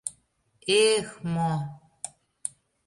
Э-эх, мо!..